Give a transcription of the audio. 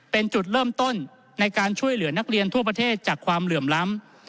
เป็นจุดเริ่มต้นในการช่วยเหลือนักเรียนทั่วประเทศจากความเหลื่อมล้ำ